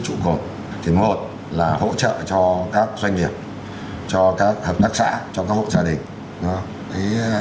thứ một là hỗ trợ cho các doanh nghiệp cho các hợp đắc xã cho các hộ gia đình